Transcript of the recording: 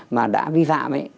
mà đã vi phạm ấy